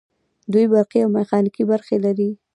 دوی برقي او میخانیکي برخې لري.